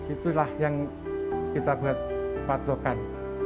itulah yang kita buat patokan